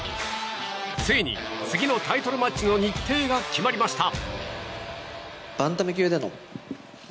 ついに、次のタイトルマッチの日程が決まりました。